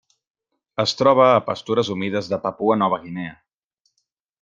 Es troba a pastures humides de Papua Nova Guinea.